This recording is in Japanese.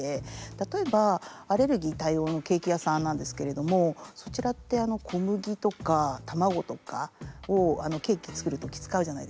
例えばアレルギー対応のケーキ屋さんなんですけれどもそちらって小麦とか卵とかをケーキ作る時使うじゃないですか。